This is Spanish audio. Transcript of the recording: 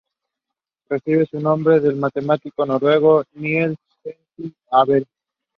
Recibe su nombre del matemático noruego Niels Henrik Abel.